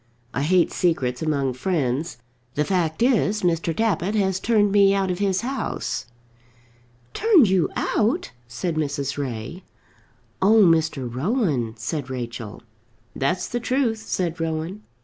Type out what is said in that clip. "I hate secrets among friends. The fact is Mr. Tappitt has turned me out of his house." "Turned you out?" said Mrs. Ray. "Oh, Mr. Rowan!" said Rachel. "That's the truth," said Rowan.